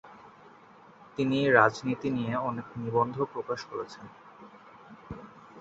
তিনি রাজনীতি নিয়ে অনেক নিবন্ধ প্রকাশ করেছেন।